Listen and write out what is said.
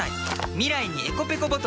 未来にｅｃｏペコボトル。